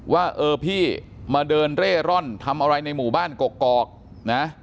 ว่าเออพี่มาเดินเร่ร่อนทำอะไรในหมู่บ้านกกอกนะ